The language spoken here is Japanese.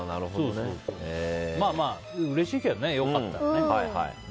まあ、うれしいけどね良かったら。